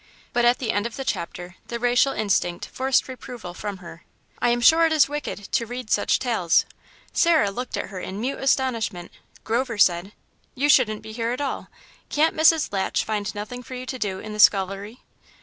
But at the end of the chapter the racial instinct forced reproval from her. "I am sure it is wicked to read such tales." Sarah looked at her in mute astonishment. Grover said "You shouldn't be here at all. Can't Mrs. Latch find nothing for you to do in the scullery?"